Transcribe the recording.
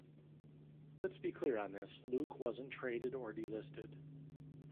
Let's be clear on this, Luke wasn't traded or delisted.